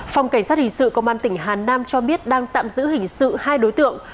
phòng cảnh sát hình sự công an tỉnh hà nam cho biết đang tạm giữ hình sự hai đối tượng